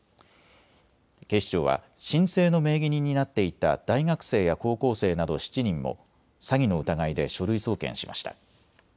警視庁は申請の名義人になっていた大学生や高校生など７人も詐欺の疑いで書類送検しました。